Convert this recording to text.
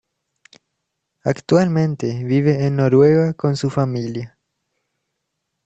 Actualmente vive en Noruega con su familia.